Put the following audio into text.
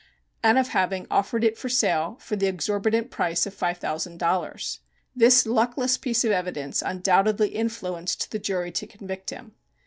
and of having offered it for sale for the exorbitant price of five thousand dollars. This luckless piece of evidence undoubtedly influenced the jury to convict him.